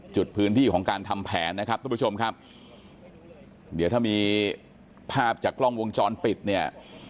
จุดพื้นที่ของการทำแผนนะครับทุกผู้ชมครับเดี๋ยวถ้ามีภาพจากกล้องวงจรปิดเนี่ย